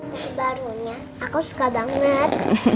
ini barunya aku suka banget